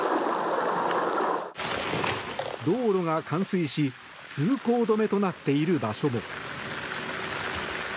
道路が冠水し通行止めとなっている場所も。